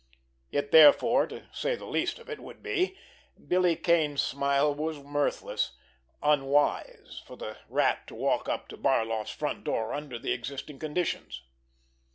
It therefore, to say the least of it, would be—Billy Kane's smile was mirthless—unwise for the Rat to walk up to Barloff's front door under the existing conditions!